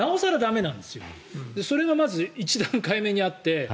それがまず１段階目にあって。